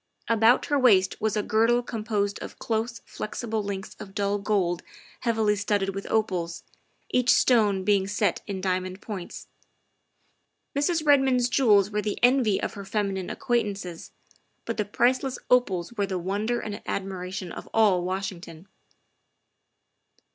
About her waist was a girdle composed of close, flexible links of dull gold heavily studded with opals, each stone being set in diamond points. Mrs. Redmond's jewels were the envy of her feminine acquaintances, but the 4 50 THE WIFE OF priceless opals were the wonder and admiration of all Washington.